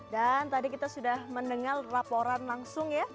dan tadi kita sudah mendengar laporan langsung ya